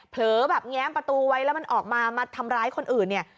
แบบแง้มประตูไว้แล้วมันออกมามาทำร้ายคนอื่นเนี่ย